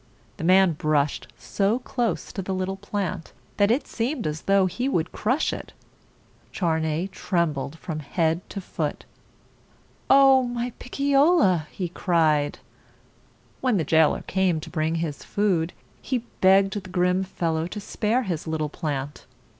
The man brushed so close to the little plant, that it seemed as though he would crush it. Charney trembled from head to foot. "O my Pic cio la!" he cried. When the jailer came to bring his food, he begged the grim fellow to spare his little plant.